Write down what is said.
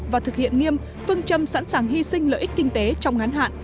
và thực hiện nghiêm phương châm sẵn sàng hy sinh lợi ích kinh tế trong ngắn hạn